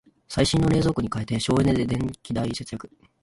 最新の冷蔵庫に替えて省エネで電気代節約